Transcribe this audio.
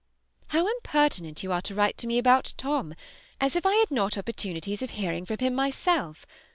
How impertinent you are to write to me about Tom, as if I had not opportunities of hearing from him myself!